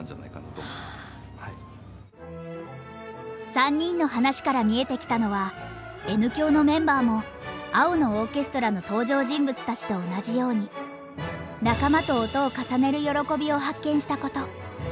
３人の話から見えてきたのはＮ響のメンバーも「青のオーケストラ」の登場人物たちと同じように仲間と音を重ねる喜びを発見したこと。